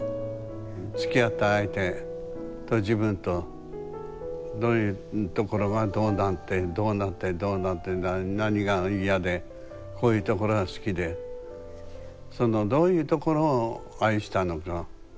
つきあった相手と自分とどういうところがどうなってどうなってどうなって何が嫌でこういうところが好きでそのどういうところを愛したのか。